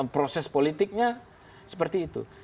proses politiknya seperti itu